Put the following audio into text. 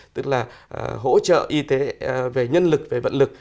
tức là hỗ trợ y tế về nhân lực về vận lực